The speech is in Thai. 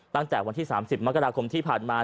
ตั้งแต่วันที่๓๐มกราคมที่ผ่านมา